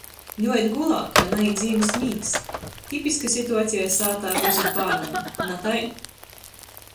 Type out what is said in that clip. Juoīt gulātu, a naīt zīmys mīgs. Tipiska situaceja sātā ar mozim bārnim, na tai?